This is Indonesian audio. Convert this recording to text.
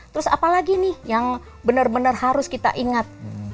terus apalagi nih yang benar benar harus kita ingat